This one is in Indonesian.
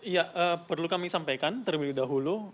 ya perlu kami sampaikan terlebih dahulu